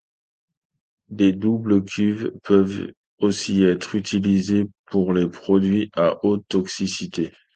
Des doubles cuves peuvent aussi être utilisées pour les produits à haute toxicité.